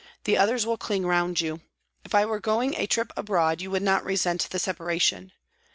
The others will cling round you. If I were going a trip abroad you would not resent the separation.